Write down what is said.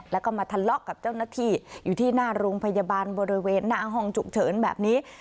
แล้วก็มาทะเลาะกับเจ้าหน้าที่อยู่ที่หน้าโรงพยาบาลบริเวณหน้าห้องฉุกเฉินแบบนี้